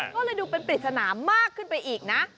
ก็เลยดูเป็นปริศนามากขึ้นไปอีกนะ